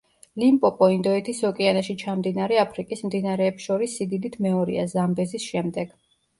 ლიმპოპო ინდოეთის ოკეანეში ჩამდინარე აფრიკის მდინარეებს შორის სიდიდით მეორეა ზამბეზის შემდეგ.